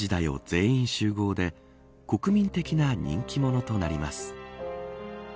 全員集合で国民的な人気者となります。